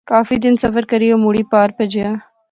کافی دن سفر کری او مڑی پار پجیا